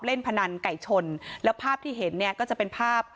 เล่นพนันไก่ชน